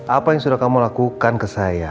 apa yang sudah kamu lakukan ke saya